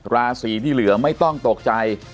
ราศีที่เหลือไม่ต้องตกใจ